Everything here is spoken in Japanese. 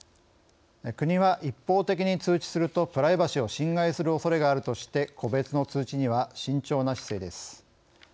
国は、一方的に通知するとプライバシーを侵害するおそれがあるとして個別の通知には慎重な姿勢です。